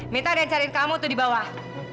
minta ada yang cari kamu tuh di bawah